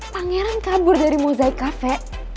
pangeran kabur dari mozaik cafe